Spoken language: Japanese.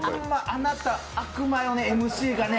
あなた、悪魔よね、ＭＣがね。